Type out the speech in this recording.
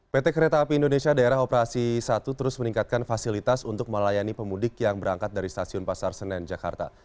pt kereta api indonesia daerah operasi satu terus meningkatkan fasilitas untuk melayani pemudik yang berangkat dari stasiun pasar senen jakarta